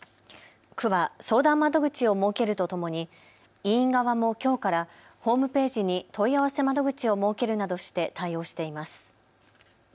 区は相談窓口を設けるとともに医院側もきょうからホームページに問い合わせ窓口を設けるなどして対応しています。